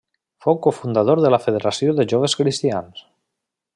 Fou cofundador de la Federació de Joves Cristians.